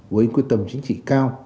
với quyết tâm chính trị cao